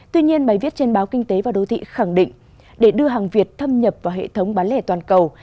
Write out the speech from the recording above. tuy nhiên bài viết trên báo kinh tế và đô thị khẳng định để đưa hàng việt thâm nhập vào hệ thống bán lẻ toàn cầu